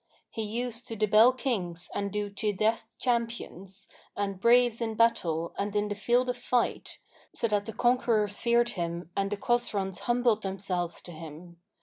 He used to debel Kings and do to death champions and braves in battle and in the field of fight, so that the Conquerors feared him and the Chosroлs[FN#516] humbled themselves to him.